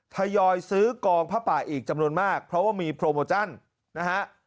ทยอยซื้อกองผ้าป่าอีกจำนวนมากเพราะว่ามีโปรโมชั่นนะฮะ